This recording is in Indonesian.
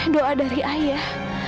doa dari ayah